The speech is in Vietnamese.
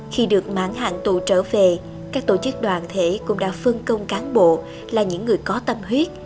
khi được mãn hạn tù trở về các tổ chức đoàn thể cũng đã phân công cán bộ là những người có tâm huyết